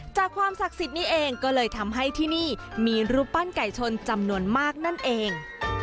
จากความศักดิ์สิทธิ์นี้เองก็เลยทำให้ที่นี่มีรูปปั้นไก่ชนจำนวนมากนั่นเอง